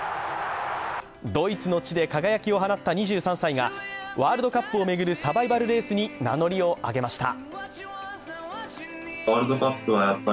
ドイツの地で輝きを放った２３歳がワールドカップを巡るサバイバルレースに名乗りを上げました。